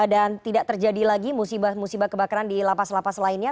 dan tidak terjadi lagi musibah musibah kebakaran di lapas lapas lainnya